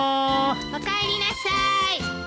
おかえりなさい。